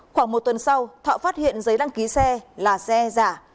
khoảng một tuần sau thọ phát hiện giấy đăng ký xe là xe giả